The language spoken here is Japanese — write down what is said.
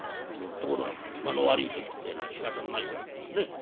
ところが間の悪い時ってえのはしかたのないもんだね。